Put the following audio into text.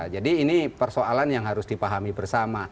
ini persoalan yang harus dipahami bersama